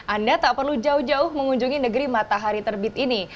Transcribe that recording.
anda tak perlu jauh jauh mengunjungi negeri matahari terbit ini